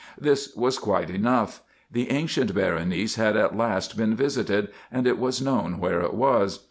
Tliis was quite enough. The ancient Berenice had at last been visited, and it was known where it was.